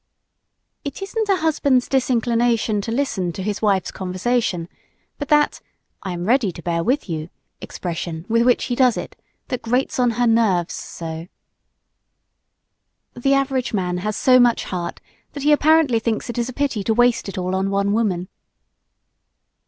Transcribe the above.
It isn't a husband's disinclination to listen to his wife's conversation, but that "I am ready to bear with you" expression with which he does it that grates on her nerves so. The average man has so much heart that he apparently thinks it a pity to waste it all on one woman.